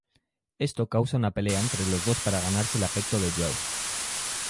Esto causa una pelea entre los dos para ganarse el afecto de Joe.